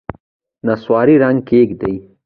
نسواري رنګ کږ دی.